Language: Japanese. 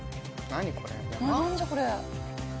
何じゃこれ。